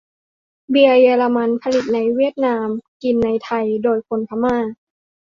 เบียร์เยอรมัน ผลิตในเวียดนาม กินในไทย โดยคนพม่า